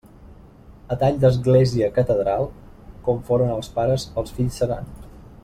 A tall d'església catedral, com foren els pares els fills seran.